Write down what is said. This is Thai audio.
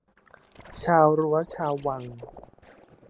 ชาวรั้วชาววัง